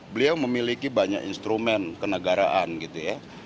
beliau memiliki banyak instrumen kenegaraan gitu ya